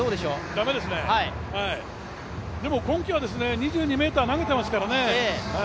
駄目ですね、でも今季は２２ｍ投げていますからね。